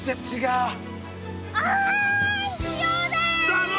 だろ？